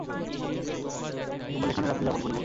কেবল এখানে রাত্রিযাপন করিব।